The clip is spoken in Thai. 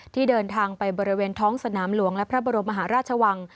ที่เดินทางไปบริเวณท้องสนามหลวงและพระบรมมหาราชวัง